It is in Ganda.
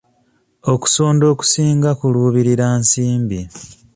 Okusonda okusinga kuluubirira nsimbi.